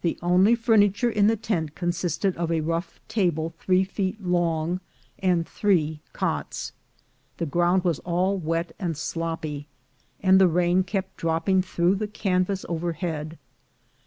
The only furniture in the tent consisted of a rough table three feet long, and three cots. The ground was all wet and sloppy, and the rain kept dropping through the canvas over head.